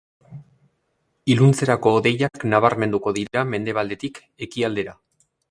Iluntzerako hodeiak nabarmenduko dira mendebaldetik ekialdera.